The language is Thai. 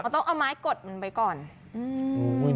ต้องเอาไม้กดก่อน